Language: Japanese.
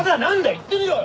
言ってみろよ！